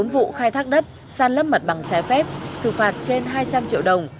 bốn vụ khai thác đất sàn lấp mặt bằng trái phép xử phạt trên hai trăm linh triệu đồng